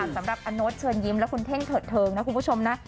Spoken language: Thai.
สำหรับอโน๊ตเชิญยิ้มและคุณเท่งเถิดเทิงนะคุณผู้ชมนะ